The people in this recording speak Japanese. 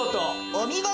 お見事！